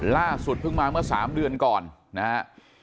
ล่าสุดเพิ่งมาเมื่อ๓เดือนก่อนนะฮะ